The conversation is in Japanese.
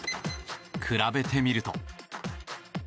比べてみると。